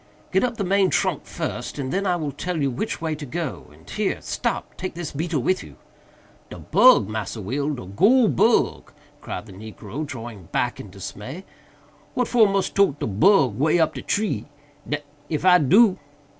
"Get up the main trunk first, and then I will tell you which way to go—and here—stop! take this beetle with you." "De bug, Massa Will!—de goole bug!" cried the negro, drawing back in dismay—"what for mus tote de bug way up de tree?—d—n if I do!"